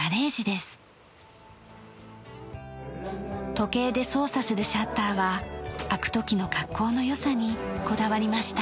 時計で操作するシャッターは開く時の格好の良さにこだわりました。